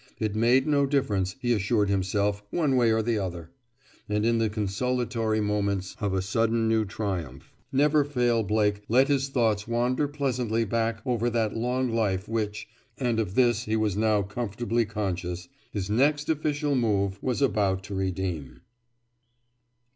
It made no difference, he assured himself, one way or the other. And in the consolatory moments of a sudden new triumph Never Fail Blake let his thoughts wander pleasantly back over that long life which (and of this he was now comfortably conscious) his next official move was about to redeem.